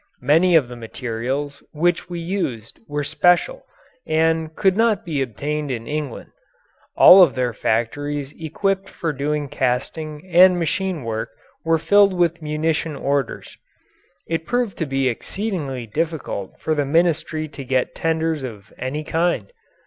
Many of the materials which we used were special and could not be obtained in England. All of their factories equipped for doing casting and machine work were filled with munition orders. It proved to be exceedingly difficult for the Ministry to get tenders of any kind.